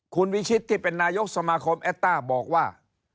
คุณวิชิตที่เป็นนายกสมาคมแอดต้าบอกว่า